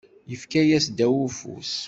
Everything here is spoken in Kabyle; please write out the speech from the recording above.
Yefka -yas ddaw ufus.